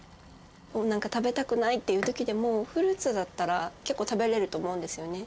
もうなんか食べたくないっていう時でもフルーツだったら結構食べれると思うんですよね。